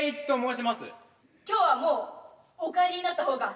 今日はもうお帰りになった方が。